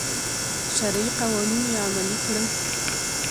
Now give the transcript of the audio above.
شرعي قوانین یې عملي کړل.